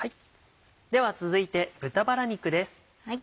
では続いて豚バラ肉です。